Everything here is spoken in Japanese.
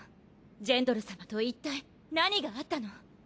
ジェンドル様といったい何があったの？